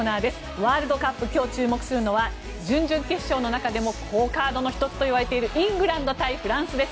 ワールドカップ今日注目するのは準々決勝の中でも好カードの１つといわれているイングランド対フランスです。